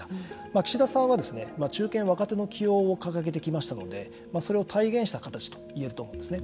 岸田さんは中堅・若手の起用を掲げてきましたのでそれを体現した形と言えると思うんですね。